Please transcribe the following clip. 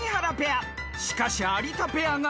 ［しかし有田ペアが大躍進］